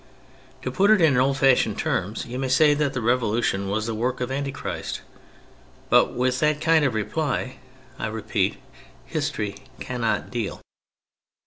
To put it in old fashioned terms, you may say that the Revolution was the work of antichrist; — but with that kind of reply, I repeat, history cannot deal.